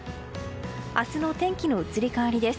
明日の天気の移り変わりです。